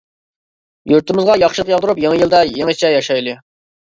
يۇرتىمىزغا ياخشىلىق ياغدۇرۇپ، يېڭى يىلدا يېڭىچە ياشايلى.